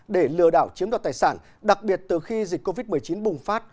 để lừa đảo chiếm đoạt tài sản đặc biệt từ khi dịch covid một mươi chín bùng phát